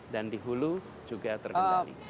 dan di hulu juga tergendali